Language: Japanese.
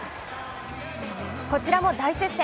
こちらも大接戦